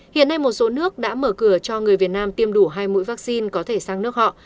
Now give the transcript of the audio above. hiện nay một số nước đã mở cửa cho người việt nam tiêm đủ hai mũi vaccine có thể sang nước họ